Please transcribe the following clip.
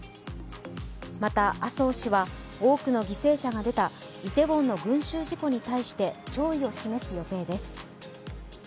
また、麻生氏は多くの犠牲者が出たイテウォンの群集事故に対して弔意を示す予定です。